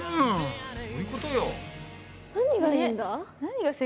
どういうことよ？